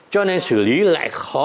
cho nên xử lý lại khó